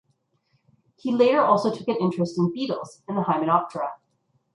He later also took an interest in the beetles and the hymenoptera.